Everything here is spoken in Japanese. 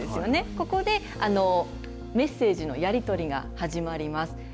ここでメッセージのやり取りが始まります。